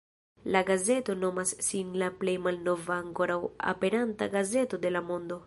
La gazeto nomas sin la plej malnova ankoraŭ aperanta gazeto de la mondo.